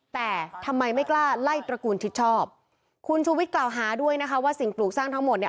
แต่ทำไมไม่กล้าไล่ตระกูลชิดชอบคุณชูวิทย์กล่าวหาด้วยนะคะว่าสิ่งปลูกสร้างทั้งหมดเนี่ย